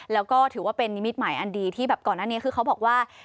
แล้วก็ถือว่าเป็นนิมิตหมายอันดีที่แบบก่อนหน้านี้คือเขาบอกว่า